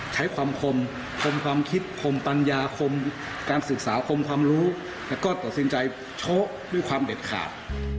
ใช้ความคมคมความคิดคมปัญญาคมการศึกษาคมความรู้แล้วก็ตัดสินใจโช๊ด้วยความเด็ดขาด